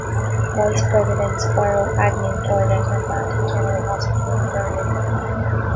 Vice-President Spiro Agnew died at Atlantic General Hospital in Berlin.